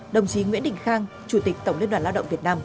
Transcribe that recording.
đồng chí nguyễn đình khang chủ tịch tổng liên đoàn lao động việt nam